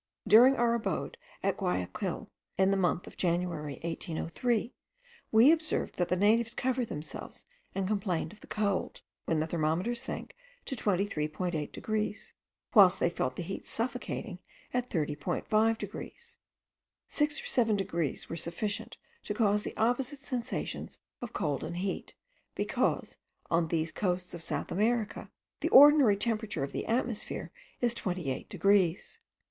During our abode at Guayaquil, in the month of January 1803, we observed that the natives covered themselves, and complained of the cold, when the thermometer sank to 23.8 degrees, whilst they felt the heat suffocating at 30.5 degrees. Six or seven degrees were sufficient to cause the opposite sensations of cold and heat; because, on these coasts of South America, the ordinary temperature of the atmosphere is twenty eight degrees.